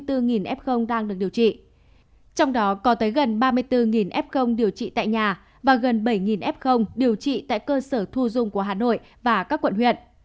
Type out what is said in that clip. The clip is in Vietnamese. trong đó có tới gần ba mươi bốn f điều trị tại nhà và gần bảy f điều trị tại cơ sở thu dung của hà nội và các quận huyện